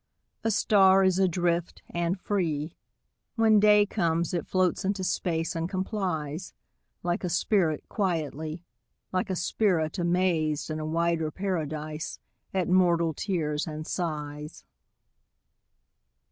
A star is adrift and free. When day comes, it floats into space and com plies ; Like a spirit quietly, Like a spirit, amazed in a wider paradise At mortal tears and sighs.